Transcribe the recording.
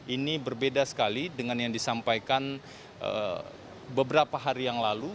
ini berbeda sekali dengan yang disampaikan beberapa hari yang lalu